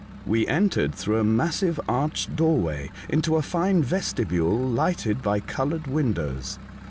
We entered through a massive arched door way into a fine vestibule lighted by coloured windows.